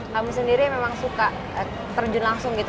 kamu sendiri memang suka terjun langsung gitu